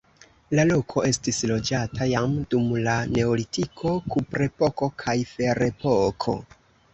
La loko estis loĝata jam dum la neolitiko, kuprepoko kaj ferepoko.